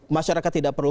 masyarakat tidak perlu